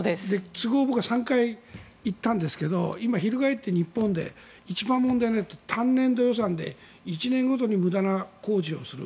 僕は３回行ったんですけど翻って、日本で単年度予算で１年ごとに無駄な工事をする。